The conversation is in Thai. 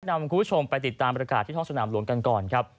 นำคุณผู้ชมไปติดตามบริการที่ท้องสนามหลวงกันก่อนครับ